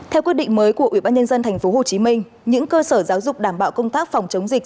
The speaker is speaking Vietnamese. theo quyết định mới của ubnd tp hcm những cơ sở giáo dục đảm bảo công tác phòng chống dịch